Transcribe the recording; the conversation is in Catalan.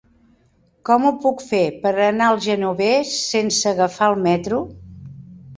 Com ho puc fer per anar al Genovés sense agafar el metro?